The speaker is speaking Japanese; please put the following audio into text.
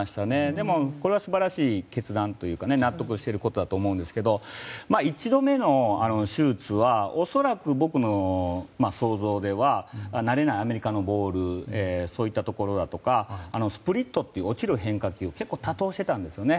でもこれは素晴らしい決断というか納得していることだと思うんですけど一度目の手術は恐らく僕の想像では慣れないアメリカのボールそういったところだとかスプリットという落ちる変化球を多投していたんですよね。